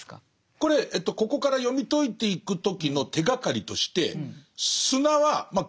これここから読み解いていく時の手がかりとして砂はまあ